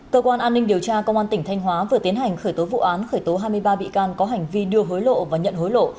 cơ quan an ninh điều tra công an tỉnh thanh hóa vừa tiến hành khởi tố vụ án khởi tố hai mươi ba bị can có hành vi đưa hối lộ và nhận hối lộ